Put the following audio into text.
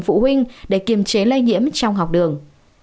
phụ huynh để kiềm chế lây nhiễm trong học đường